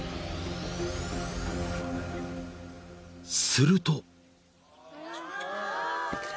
［すると］